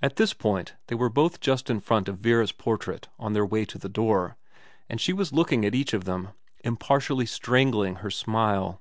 At this point they were both just in front of Vera's portrait on their way to the door, and she was looking at each of them, impartially strangling her smile.